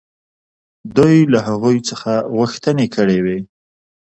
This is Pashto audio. دوی له هغوی څخه غوښتنې کړې وې.